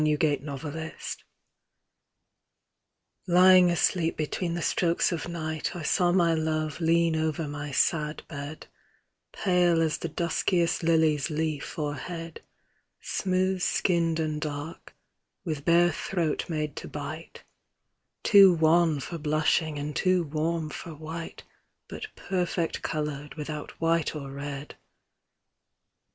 LOVE AND SLEEP Lying asleep between the strokes of night I saw my love lean over my sad bed, Pale as the duskiest lily's leaf or head, Smooth skinned and dark, with bare throat made to bite, Too wan for blushing and too warm for white, But perfect coloured without white or red.